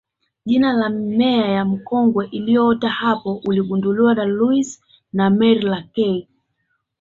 jina la mimea ya mkonge inayoota hapo uligunduliwa na Loui na Mary Leakey